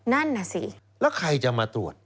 นั่นน่ะสิแล้วใครจะมาตรวจ